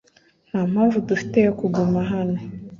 Nta mpamvu dufite yo kuguma hano .